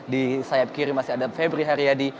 di sayap kiri masih ada febri haryadi